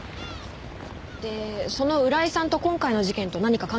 でその浦井さんと今回の事件と何か関係あるんですか？